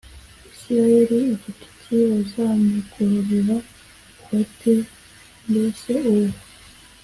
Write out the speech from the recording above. Isirayeli igitutsi bazamugororera bate mbese uwo